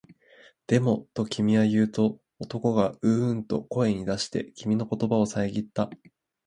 でも、と君は言うと、男がううんと声に出して、君の言葉をさえぎった